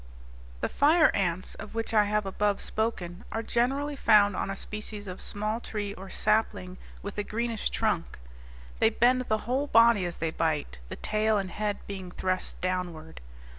The fire ants, of which I have above spoken, are generally found on a species of small tree or sapling, with a greenish trunk. They bend the whole body as they bite, the tail and head being thrust downward.